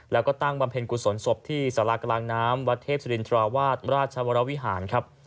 แล้วก็ตั้งบำเพ็ญกุศลศพที่สารากลางน้ำวัดเทพศิรินทราวาสราชวรวิหารครับ